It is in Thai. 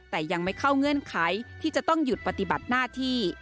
แต่ยังไม่เข้าเงื่อนไขที่จะต้องหยุดปฏิบัติหน้าที่